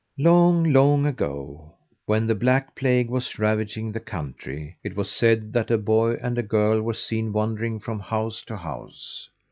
Long, long ago, when the black plague was ravaging the country, 'twas said that a boy and a girl were seen wandering from house to house.